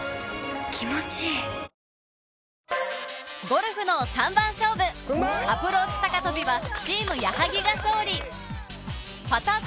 ゴルフの３番勝負アプローチ高跳びはチーム矢作が勝利パター